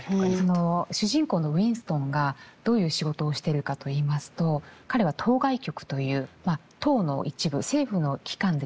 その主人公のウィンストンがどういう仕事をしてるかといいますと彼は党外局という党の一部政府の機関でですね